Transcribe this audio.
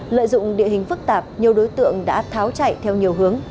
lợi dụng địa hình phức tạp nhiều đối tượng đã tháo chạy theo nhiều hướng